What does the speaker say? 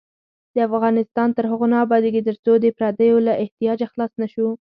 افغانستان تر هغو نه ابادیږي، ترڅو د پردیو له احتیاجه خلاص نشو.